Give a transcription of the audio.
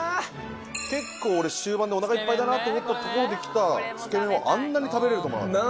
結構俺終盤でお腹いっぱいだなって思ったところで来たつけ麺をあんなに食べれると思わなかった。